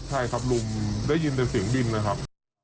ใช่ครับลุงได้ยินแต่เสียงดินเลยครับ